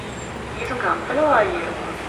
Diesen Kampf verlor er jedoch.